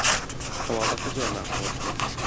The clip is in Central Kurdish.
هەواڵەکە زۆر ناخۆش بوو